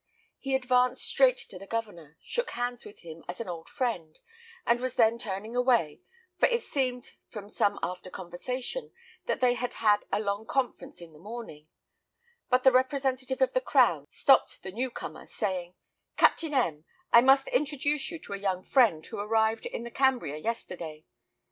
He advanced straight to the Governor, shook hands with him as an old friend, and was then turning away for it seemed, from some after conversation, that they had had a long conference in the morning; but the representative of the crown stopped the new comer, saying, "Captain M , I must introduce you to a young friend who arrived in the Cambria yesterday.